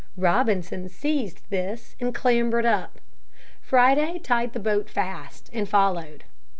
Robinson seized this and clambered up. Friday tied the boat fast, and followed.